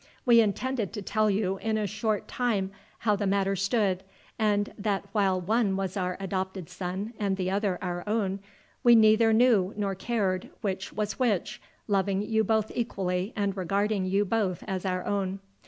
We intended to tell you in a short time how the matter stood, and that while one was our adopted son and the other our own, we neither knew nor cared which was which, loving you both equally and regarding you both as our own.